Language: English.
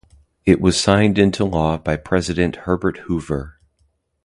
It was signed into law by President Herbert Hoover.